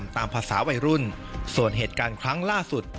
ตามภาษาวัยรุ่นส่วนเหตุการณ์ครั้งล่าสุด